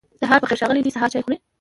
سهار پخير ښاغلی دی سهار چای خوری